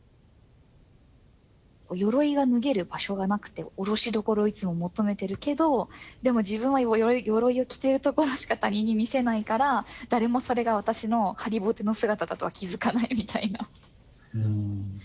鎧が脱げる場所がなくて下ろしどころをいつも求めてるけどでも自分は鎧を着てるところしか他人に見せないから誰もそれが私のはりぼての姿だとは気付かないみたいな。